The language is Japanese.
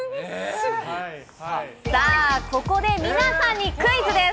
さあ、ここで皆さんにクイズです。